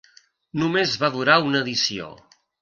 Només va durar una edició.